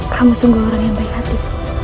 kamu sungguh orang yang baik hati